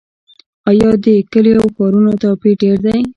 آیا د کلیو او ښارونو توپیر ډیر دی؟